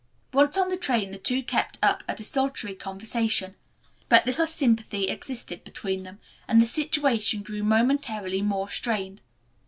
Once on the train the two kept up a desultory conversation. But little sympathy existed between them, and the situation grew momentarily more strained.